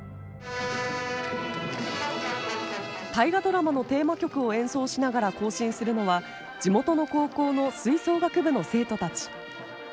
「大河ドラマ」のテーマ曲を演奏しながら行進するのは地元の高校の吹奏楽部の生徒たち。